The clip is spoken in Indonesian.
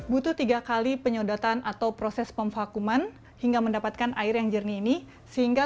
butuh tiga kali penyodotan atau proses pemfakuman hingga mendapatkan air yang jernih ini sehingga